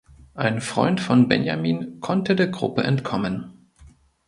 Ein Freund von Benjamin konnte der Gruppe entkommen.